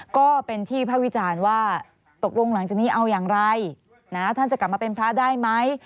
ก็เป็นที่ภาควิจารณ์ว่าตกลงหลังจากนี้เอาอย่างไรท่านจะกลับมาเป็นพระได้ไหม